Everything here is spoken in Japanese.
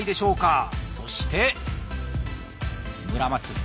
そして村松